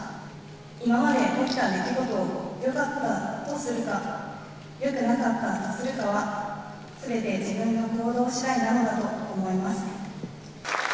今まで起きた出来事をよかったとするか、よくなかったとするかは、すべて自分の行動しだいなのだと思います。